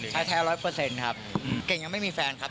แท้๑๐๐ครับเก่งยังไม่มีแฟนครับ